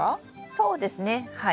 そうですねはい。